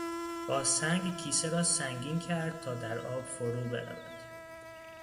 با سنگ کیسه را سنگین کرد تا در آب فرو برود.